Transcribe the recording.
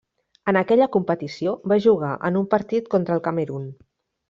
En aquella competició va jugar en un partit contra el Camerun.